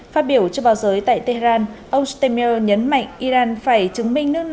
phát biểu trước báo giới tại tehran ông stemmel nhấn mạnh iran phải chứng minh nước